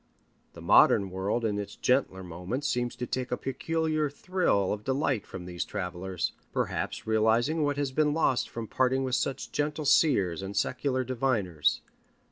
The modern world in its gentler moments seems to take a peculiar thrill of delight from these travellers, perhaps realizing what has been lost from parting with such gentle seers and secular diviners.